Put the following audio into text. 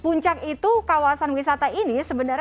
puncak itu kawasan wisata ini sebenarnya